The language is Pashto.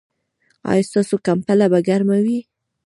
ایا ستاسو کمپله به ګرمه وي؟